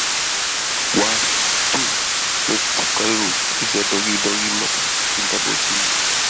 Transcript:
Therefore, Portugal has an absolute advantage in the production of wine.